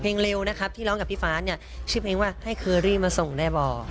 เพลงเร็วนะครับที่ร้องกับพี่ฟ้าชื่อเพลงว่าให้เคอรี่มาส่งได้บ่